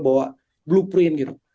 bahwa blueprint gitu